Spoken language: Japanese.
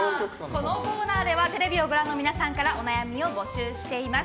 このコーナーではテレビをご覧の皆さんからお悩みを募集しています。